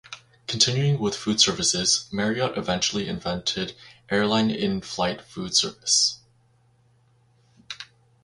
Continuing with food services, Marriott eventually invented airline in-flight food service.